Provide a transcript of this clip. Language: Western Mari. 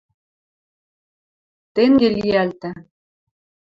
Тенге лиӓлтӹ...